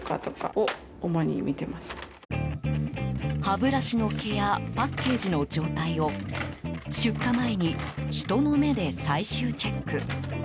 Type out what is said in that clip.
歯ブラシの毛やパッケージの状態を出荷前に人の目で最終チェック。